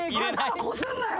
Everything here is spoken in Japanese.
頭こすんなよ！